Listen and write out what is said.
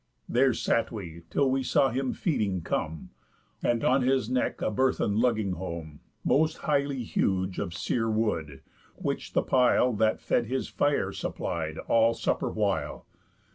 There sat we, till we saw him feeding come, And on his neck a burthen lugging home, Most highly huge, of sere wood, which the pile That fed his fire supplied all supper while.